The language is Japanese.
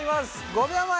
５秒前。